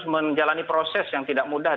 menjalani proses yang tidak mudah